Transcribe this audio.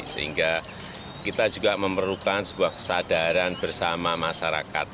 sehingga kita juga memerlukan sebuah kesadaran bersama masyarakat